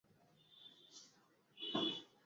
তুই তো জানোস না, মা কী বলবো।